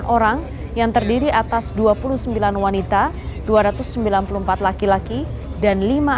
tiga ratus dua puluh delapan orang yang terdiri atas dua puluh sembilan wanita dua ratus sembilan puluh empat laki laki dan lima orang yang terdiri di dalam kapal